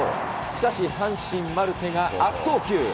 しかし、阪神、マルテが悪送球。